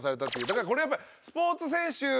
だからやっぱりスポーツ選手